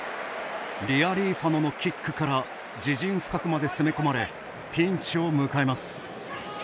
リアリーファノのキックから自陣深くまで攻め込まれピンチを迎えます。